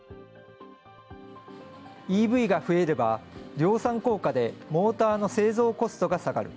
ＥＶが増えれば、量産効果でモーターの製造コストが下がる。